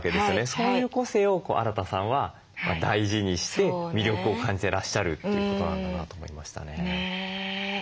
そういう個性をアラタさんは大事にして魅力を感じてらっしゃるってことなんだなと思いましたね。